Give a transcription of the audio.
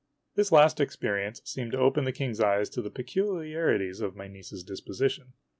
This last experience seemed to open the King's eyes to the peculiarities of my niece's disposition.